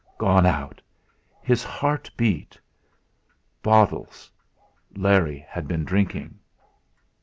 Gone out! His heart beat. Bottles! Larry had been drinking!